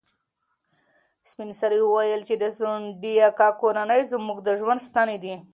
سپین سرې وویل چې د ځونډي اکا کورنۍ زموږ د ژوند ستنې دي.